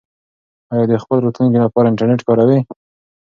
آیا ته د خپل راتلونکي لپاره انټرنیټ کاروې؟